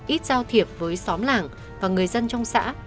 ít giao thiệp với xóm làng và người dân trong xã